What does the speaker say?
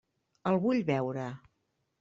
El vull veure.